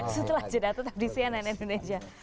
setelah jeda tetap di cnn indonesia